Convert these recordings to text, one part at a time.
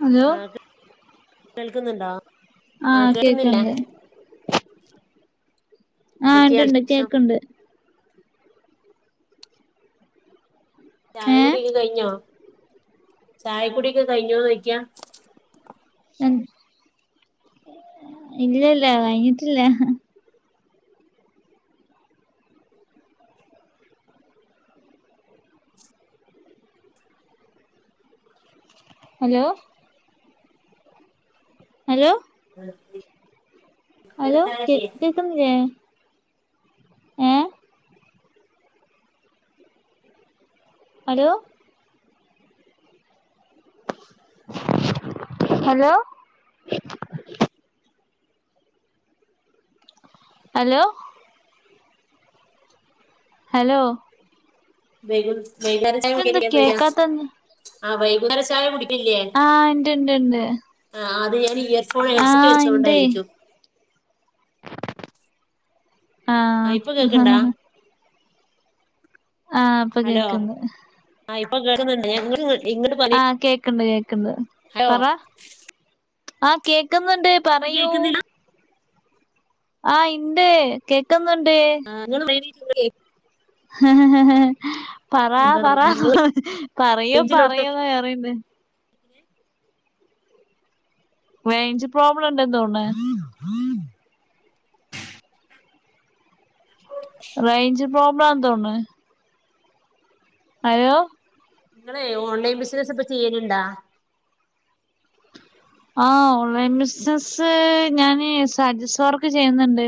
Hello ആഹ് കേൾക്കുന്നുണ്ടോ ആഹ് കേൾക്കുന്നില്ലേ ആ ഹ് ണ്ട് ണ്ട് കേക്ക്ണ്ട് ചായ ഏഹ് കുടിയൊക്കെ കയിഞ്ഞോ ചായ കുടിയൊക്കെ കയിഞ്ഞോയ്ക്ക എ ഇല്ലല്ല കയിഞ്ഞിട്ടില്ല ഹലോ ഹലോ [inaudible] ഹലോ വൈകു കെ കേക്കുന്നില്ലേ ഏ ഹലോ ഹലോ ഹലോ ഹലോ വൈ വൈന്നേര ചായ ഇതെന്താ കുടിയെഞ്ഞോ കേക്കാത്തന്ന് ആ വൈകുന്നേര ചായ കുടി ആഹ് ണ്ട് ണ്ട് ഇണ്ട് ആഹ് അത് ഞാൻ ഇയർഫോൺ ഹെഡ്സെറ്റ് ആഹ് ഇണ്ടേ വെച്ചോണ്ടായിരിക്കും ആഹ് ഇപ്പൊ കേക്ക്ണ്ടാ അഹഹ ആഹ് ഇപ്പൊ ഹലോ കേക്ക്ന്ന് ആഹ് ഇപ്പൊ കേക്കുന്നുണ്ട് [unintelligible] ആഹ് കേക്ക്ണ്ട് കേക്ക്ണ്ട് ഹലോ പറ ആഹ് കേക്ക് ക്കുന്നുണ്ട് ഇപ്പൊ പറയൂ കേൾക്കുന്നില്ല ആഹ് ഇണ്ട് കേക്ക് ആ [unintelligible] ഹ് ഹ് ഹ് ഹാ പറ എന്താ പറ നിങ്ങള് പറയോ റേഞ്ചില്ലോട്ത്തല്ലേ പറയോന്ന് വേറേണ്ട് [inaudible] റേഞ്ച് പ്രോബ്ലം ഇണ്ടന്തോണ് റേഞ്ച് പ്രോബ്ലനന്തോന്നുന്ന അയ്യോ ങ്ങളെ ഓൺലൈൻ ബിസിനസ് ഇപ്പ ചെയ്യല്ണ്ടാ ആഹ് ഓൺലൈൻ ബിസിനസ്സ് ഞാന് സ്റ്റാറ്റസ് വർക്ക് ചെയ്യുന്നുണ്ട്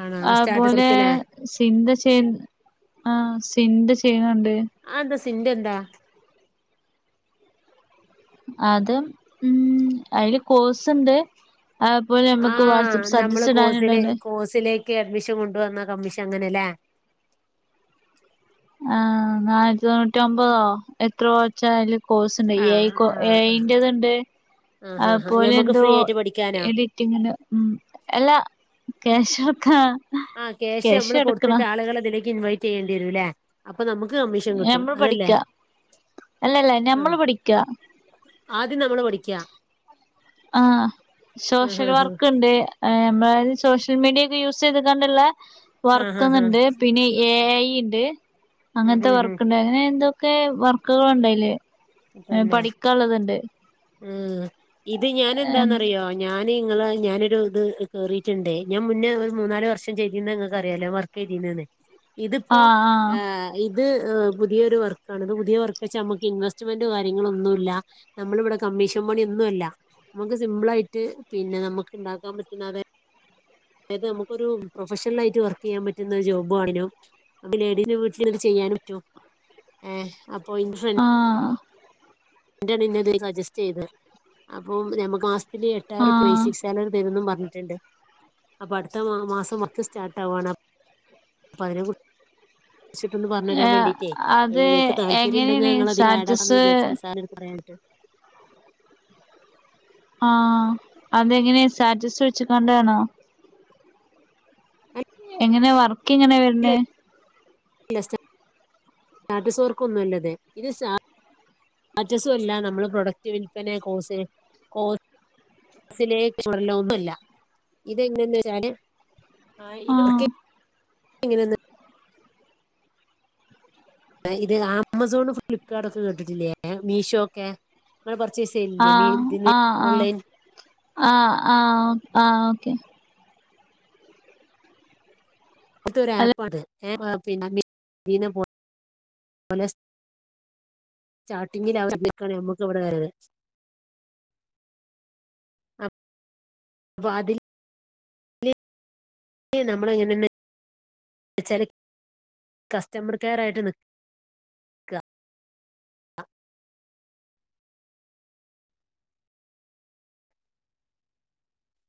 ആണോ ആ സ്റ്റാറ്റസ് പോലെ വർക്ക്ല്ലേ സിന്ത ചെയ് ആ സിന്ത ചെയ്യ്ണ്ണ്ണ്ട് ആ ന്താ സിന്ത എന്താ അത് ഉം അയില് കോഴ്സ്ണ്ട് അത് പോലെ ഞമ്മക്ക് ആഹ് വാട്സ്ആപ്പ് നമ്മള് സ്റ്റ്റ്റാസ് കോഴ്സില് ഇടാന്ണ്ട് കോഴ്സിലേക്ക് അഡ്മിഷൻ കൊണ്ട് വന്ന കമ്മിഷൻ അങ്ങനെലേ ആ നാന്നുറ്റി തൊണ്ണൂറ്റിമ്പതോ എത്ര ഓച്ചാലും കോഴ്സ്ണ്ട് എ ഐ ആഹ് കൊ എ ആഹ് ഐ ന്റേത്ണ്ട് ആഹ് ആഹ് അത്, ആഹ് പോലെ ഞമ്മക്ക് എന്തോ, ഫ്രീ ആയിട്ട് പഠിക്കാനോ എഡിറ്റിങ്ങിന്, ഉ, എല്ലാ, ക്യാശ് ആ, ക്യാശ് മ്മൾ, കൊടുത്തിട്ട്, ആളുകളെ, ഇതിലേക്ക്, ഇൻവൈറ്റ്, ചെയ്യേണ്ടി, വരുല്ലേ? അപ്പൊ, നമുക്ക്, കമ്മീഷൻ കിട്ടും, ഞമ്മൾ അതല്ലേ? പഠിക്കാ അല്ലല്ല ആഹ്, ഞമ്മള് പഠിക്കാ ആദ്യം, നമ്മള്, പഠിക്കാ ആഹ്, ആഹ് സോഷ്യൽ, ആഹ് വർക്ക്, ഇണ്ട്, മ്മളെ സോഷ്യൽ, മീഡിയക്കെ, യൂസീത്ക്കാണ്ട്ള്ള, ആഹ് ആഹ് ആഹ് വർക്ക്ന്ന്ണ്ട്, പിന്നെ, എ ഐ, ഇണ്ട്. ഉം അങ്ങനത്തെ ഉം വർക്കണ്ട് അങ്ങനെ എന്തൊക്കെ വർക്കുകളുണ്ടല് പഠിക്കാള്ളതുണ്ട് മ് ഇത് ഞാൻ എന്താന്നറിയോ ഞാൻ ത് നിങ്ങള ഞാനൊരു ഇത് കേറിയിട്ടുണ്ടേ ഞാൻ മുന്നേ മൂന്നാല് വർഷം ചെയുന്ന നിങ്ങക്ക് അറിയാലോ വർക്ക് ചെയ്തന്ന അണ് ഇതിപ്പൊ ആഹ് അഹ് ഇത് പുതിയൊരു വർക്കണത് ഇത് പുതിയ വർക്ക് വെച്ച നമുക്ക് ഇൻവെ ജ് മെന്റ് കാര്യങ്ങളോന്നുല്ല നമ്മള് ഇവിടെ കമ്മീഷൻ പണിയൊന്നും അല്ല നമ്മുക്ക് സിമ്പിളായിട്ട് പിന്നെ നമുക്കുണ്ടാക്കാൻ പറ്റുന്ന അതെ അതായത് നമുക്കൊരു പ്രൊഫഷണൽ ആയിട്ട് വർക്ക് ചെയ്യാൻ പറ്റുന്ന ഒരു ജോബു ആണിനും നമ്മ ലേഡിന്റെ വീട്ടിൽ ചെയ്യ യനെ പറ്റു അഹ് അപ്പൊ ഇൻ ആഹ് [unintelligible] അത് സജസ്റ്റ് ചെയ്തെ അപ്പ ഞമക്ക് ആ പിന്നെ ആഹ് എട്ടാറുപേയിസിക്സ് സെവ തരുന്നും പ ട്ടുണ്ട് അപ്പൊ അടുത്ത മാ മാസം വർക്ക് സ്റ്റാർട്ട് ആവാണ് അപ്പതിനെ കു ചിട്ടൊന്ന് ആഹ് പറഞ്ഞുരാൻവേണ്ടീയിട്ടേ അത് നിങ്ങക്ക് താല്പര്യം ഉണ്ടെങ്കിൽ എങ്ങനെയാണ് ഞങ്ങളധികടാകം എന്ന് സ്റ്റാറ്റസ് വിചാരിച്ചിട്ട് ഒരു സാറിനോട് പറയാന [unintelligible] ആഹ് അതെങ്ങനെയാ സ്റ്റാറ്റസ് വെച്ച് കണ്ടയാണോ പറയാനായിട്ട് എങ്ങനാ വർക്ക് എങ്ങനാ വരണേ ല്ല സ്റ്റാ സ്റ്റാറ്റസ്കാർക്കൊന്നുംല്ലത് ഇത് സ്റ്റാ റ്റസും അല്ല നമ്മൾ പ്രൊഡക്റ്റ് വിൽപന കോസെ കോ മസിലേക്ക് [unintelligible] ഒന്നുഇല്ല ഇതെങ്ങനന്ന് വെച്ചാല് ആ ആഹ് ഇത്ക്കെ എങ്ങനെ എന്ന് ഇത് ആമസോൺ ഫ്ലിപ്കാർട്ട് ഒക്കെ കേട്ടിട്ടില്ലേ മീഷോ ഒക്കെ പർച്ചേസ് ചെയ്യലില്ലേ മീ ആഹ് ഇതിന് ആഹ് ആഹ് ഓൺലൈൻ ആഹ് ആഹ് ആഹ് ഓക്കെ അതൊര് ആപ്പാണ് എ പിന്നെ ചാട്ടിങ്ങിൽ അവ നിക്കണെ നമ്മുക്കിവിടെ ആര് അ വാദിൽ നമ്മളും ഇങ്ങനന്നെ ച്ചര് കസ്റ്റമർ കെയർ ആയിട്ടാണ് നിക്ക [unintelligible]